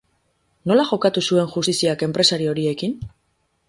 Nola jokatu zuen justiziak enpresari horiekin?